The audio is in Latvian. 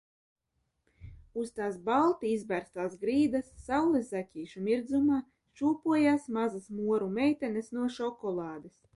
Uz tās, balti izberztās grīdas, saules zaķīšu mirdzumā, šūpojās mazas moru meitenes no šokolādes.